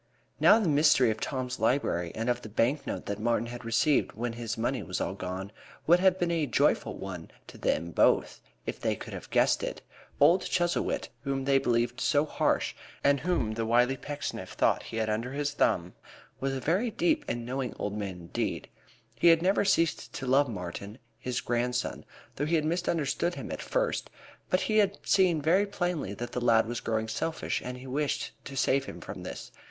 Now, the mystery of Tom's library, and of the bank note that Martin had received when his money was all gone, would have been a very joyful one to them both if they could have guessed it. Old Chuzzlewit, whom they believed so harsh, and whom the wily Pecksniff thought he had got under his thumb, was a very deep and knowing old man indeed. He had never ceased to love Martin, his grandson, though he had misunderstood him at first, but he had seen very plainly that the lad was growing selfish and he wished to save him from this.